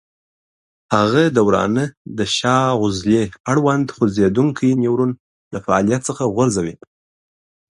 هغه د ورانه د شا عضلې اړوند خوځېدونکی نیورون له فعالیت څخه غورځوي.